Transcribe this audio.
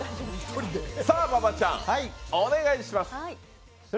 さあ、馬場ちゃん、お願いします。